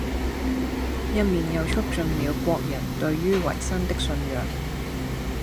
一面又促進了國人對于維新的信仰。